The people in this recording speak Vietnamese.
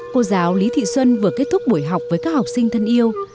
cô giáo lý thị xuân vừa kết thúc buổi học với các học sinh thân yêu